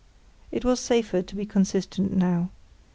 It was safer to be consistent now.